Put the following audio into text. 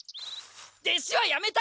弟子はやめた！